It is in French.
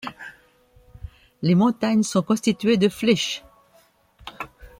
Les montagnes sont constituées de flyschs.